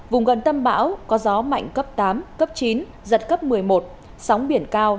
vùng gần tâm bão có gió mạnh cấp tám cấp chín giật cấp một mươi một sóng biển cao